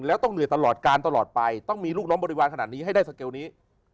แล้วต้องเหนื่อยตลอดการตลอดไปต้องมีลูกน้องบริวารขนาดนี้ให้ได้สเกลนี้